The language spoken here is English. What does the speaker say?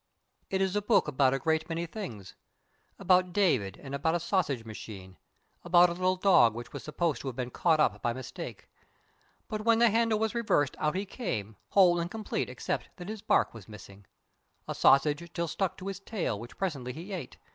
It is a book about a great many things about David and about a sausage machine, about a little dog which was supposed to have been caught up by mistake. But when the handle was reversed out he came, whole and complete except that his bark was missing. A sausage still stuck to his tail, which presently he ate.